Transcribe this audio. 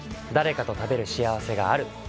誰かと食べる幸せがある。